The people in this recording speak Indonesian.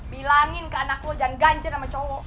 bilangin ke anak lo jangan ganjar sama cowok